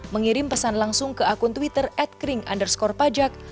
mengirim pesan langsung ke akun twitter at kering underscore pajak